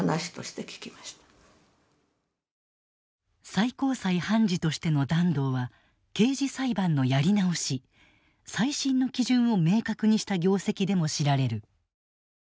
最高裁判事としての團藤は刑事裁判のやり直し「再審」の基準を明確にした業績でも知られる。